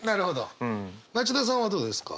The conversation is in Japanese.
町田さんはどうですか？